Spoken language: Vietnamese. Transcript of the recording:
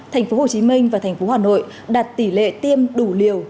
thành phố hồ chí minh và thành phố hà nội đạt tỷ lệ tiêm đủ liều